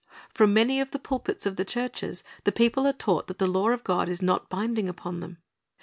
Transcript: From many of the pulpits of the churches the people are taught that the law of God is not binding upon them.